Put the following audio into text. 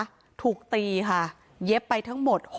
ถูกตีค่ะเย็บไปทั้งหมด